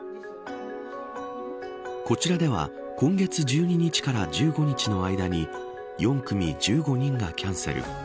こちらでは今月１２日から１５日の間に４組１５人がキャンセル。